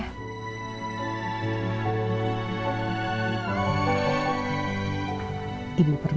ibu permisi dulu pangeran